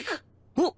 おっ